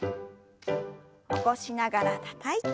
起こしながらたたいて。